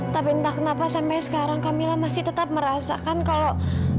tapi entah kenapa sampai sekarang camilla masih tetap merasakan kalau